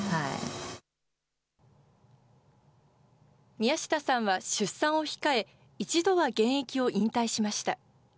宮下さんは出産を控え、一度は現役を引退しました。